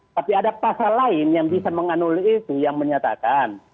tapi ada pasal lain yang bisa menganuli itu yang menyatakan